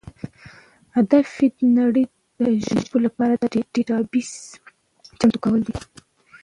هدف یې د نړۍ د ژبو لپاره د ډیټابیس چمتو کول دي.